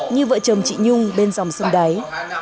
như vợ chồng chị nhung bên dòng sông đáy